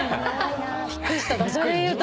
びっくりした。